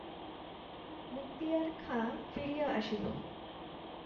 মুক্তিয়ার খাঁ ফিরিয়া আসিল।